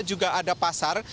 juga ada pasar